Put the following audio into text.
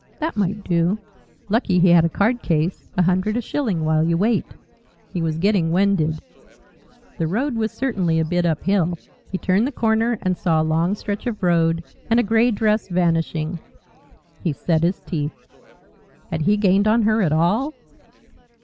That might do. Lucky he had a card case! A hundred a shilling while you wait. He was getting winded. The road was certainly a bit uphill. He turned the corner and saw a long stretch of road, and a grey dress vanishing. He set his teeth. Had he gained on her at all?